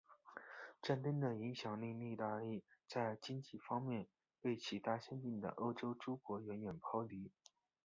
战争的影响令意大利在经济发展方面被其他先进的欧洲诸国远远抛离。